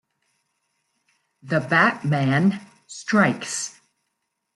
The Batman Strikes!